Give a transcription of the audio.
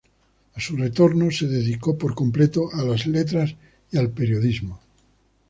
A su retorno se dedicó por completo a las letras y al periodismo.